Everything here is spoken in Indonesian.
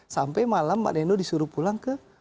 sampai malam mbak neno disuruh pulang ke